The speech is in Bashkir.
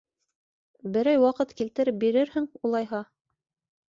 Берәй ваҡыт килтереп бирерһең, улайһа.